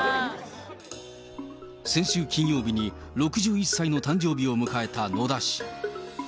先週金曜日に、６１歳の誕生日を迎えた野田氏。